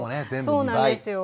そうなんですよ。